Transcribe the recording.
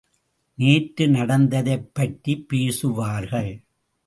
நேற்று நடந்ததைப் பற்றிப் பேசுவார்கள்.